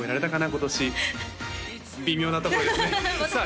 今年微妙なところですねさあ